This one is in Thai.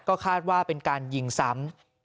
ก็คาดว่าเป็นการยิงซ้ำ